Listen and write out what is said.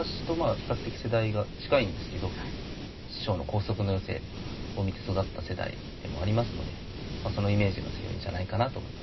比較的世代が近いんですけど師匠の光速の寄せを見て育った世代でもありますのでそのイメージが強いんじゃないかなと思います。